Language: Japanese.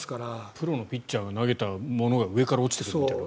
プロのピッチャーが投げたものが上から落ちてくるという。